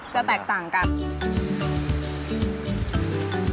จะแตกต่างกัน